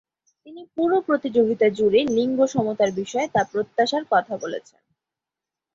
তিনি পুরো প্রতিযোগিতা জুড়ে লিঙ্গ সমতার বিষয়ে তা প্রত্যাশার কথা বলেছেন।